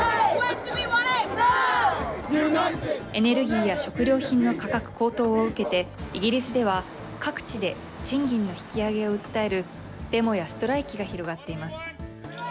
エネルギーや食料品の価格高騰を受けて、イギリスでは各地で、賃金の引き上げを訴えるデモやストライキが広がっています。